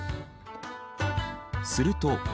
すると。